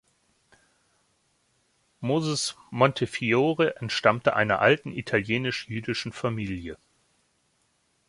Moses Montefiore entstammte einer alten italienisch-jüdischen Familie.